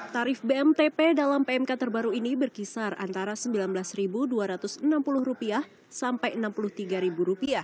tarif bmtp dalam pmk terbaru ini berkisar antara rp sembilan belas dua ratus enam puluh sampai rp enam puluh tiga